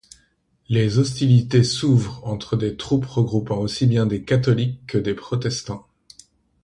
Les hostilités s'ouvrent entre des troupes regroupant aussi bien des catholiques que des protestants.